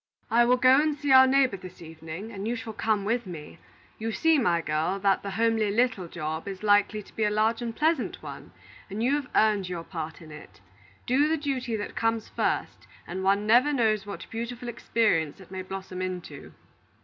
"I will go and see our neighbor this evening, and you shall come with me. You see, my girl, that the homely 'little job' is likely to be a large and pleasant one, and you have earned your part in it. Do the duty that comes first, and one never knows what beautiful experience it may blossom into.